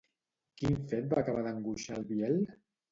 Quin fet va acabar d'angoixar al Biel?